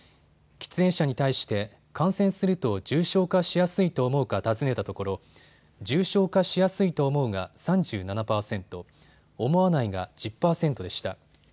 喫煙者に対して感染すると重症化しやすいと思うか尋ねたところ重症化しやすいと思うが３７％、思わないが１０％でした。